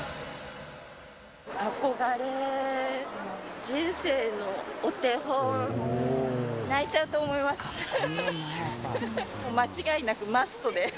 憧れ、人生のお手本。泣いちゃうと思います。